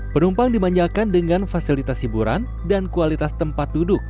penumpang dimanjakan dengan fasilitas hiburan dan kualitas tempat duduk